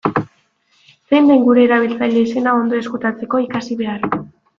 Zein den gure erabiltzaile-izena ondo ezkutatzeko, ikasi behar.